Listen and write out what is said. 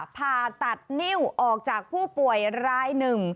ผ่าตัดนิ้วออกจากผู้ป่วยรายหนึ่ง